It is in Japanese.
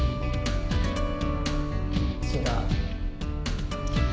違う。